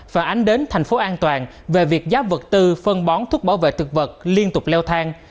phản ánh đến thành phố an toàn về việc giá vật tư phân bón thuốc bảo vệ thực vật liên tục leo thang